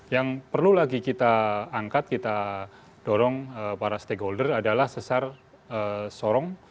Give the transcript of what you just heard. yang perlu lagi kita angkat kita dorong para stakeholder adalah sesar sorong